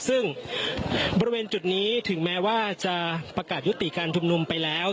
ซึ่งบริเวณจุดนี้ถึงแม้ว่าจะประกาศยุติการชุมนุมไปแล้ว